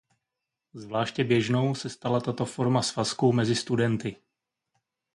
Zvláště běžnou se stala tato forma svazku mezi studenty.